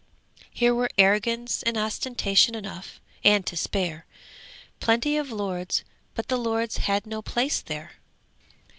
'Here were arrogance and ostentation enough and to spare; plenty of lords, but the Lord had no place there.